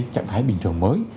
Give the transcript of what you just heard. trạng thái bình thường mới